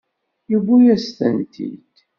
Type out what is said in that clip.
Yewwi-yas-tent-id.